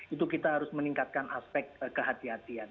itu kita harus meningkatkan aspek kehati hatian